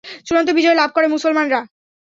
চূড়ান্ত বিজয় লাভ করে মুসলমানরা।